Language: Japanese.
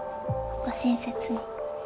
ご親切に。